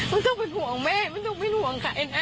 ไม่ต้องเป็นห่วงแม่ไม่ต้องเป็นห่วงใครนะ